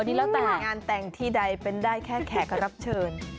นี่แล้วแต่งานแต่งที่ใดเป็นได้แค่แขกรับเชิญ